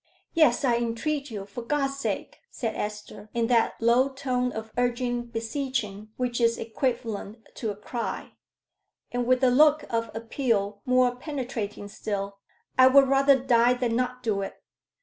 "Yes I entreat you, for God's sake," said Esther, in that low tone of urgent beseeching which is equivalent to a cry; and with a look of appeal more penetrating still, "I would rather die than not do it."